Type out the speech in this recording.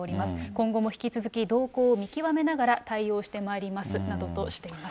今後も引き続き動向を見極めながら、対応してまいりますなどとしています。